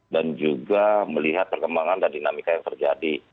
dan juga melihat perkembangan dan dinamika yang terjadi